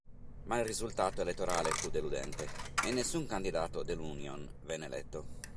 Ma il risultato elettorale fu deludente e nessun candidato dell"'Union" venne eletto.